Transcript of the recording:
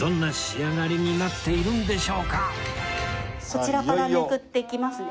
こちらからめくっていきますね。